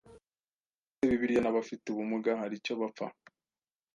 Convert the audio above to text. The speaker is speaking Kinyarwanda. ese Bibiliya n’abafite ubumuga hari icyo bapfa